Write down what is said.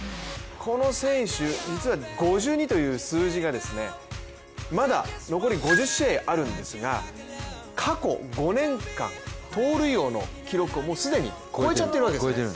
この選手、実は５２という数字が、まだ残り５０試合あるんですが過去５年間、盗塁王の記録を既に超えちゃっているんです。